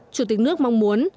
chủ tịch nước mong muốn